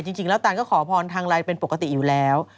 จริงแล้วตานก็ขอพรทางไลน์เป็นปกติอยู่แล้ว